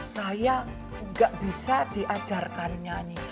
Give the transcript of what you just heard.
saya nggak bisa diajarkan nyanyi